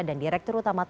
dan direktur utama tni